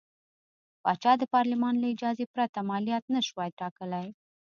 پاچا د پارلمان له اجازې پرته مالیات نه شوای ټاکلی.